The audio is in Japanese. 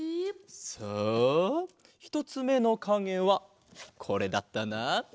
さあひとつめのかげはこれだったな。